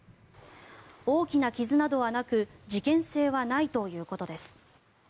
大きな傷などはなく事件性はないということです。